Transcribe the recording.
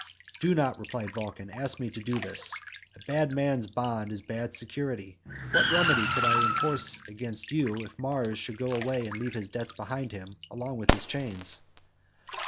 "Do not," replied Vulcan, "ask me to do this; a bad man's bond is bad security; what remedy could I enforce against you if Mars should go away and leave his debts behind him along with his chains?"